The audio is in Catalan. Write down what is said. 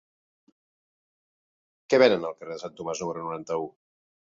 Què venen al carrer de Sant Tomàs número noranta-u?